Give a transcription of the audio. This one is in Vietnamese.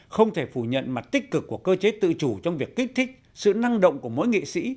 không thể phủ nhận mặt tích cực của cơ chế tự chủ trong việc kích thích sự năng động của mỗi nghệ sĩ